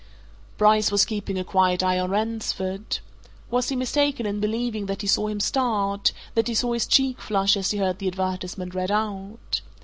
Bryce was keeping a quiet eye on Ransford. Was he mistaken in believing that he saw him start; that he saw his cheek flush as he heard the advertisement read out?